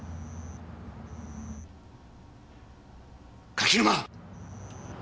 柿沼！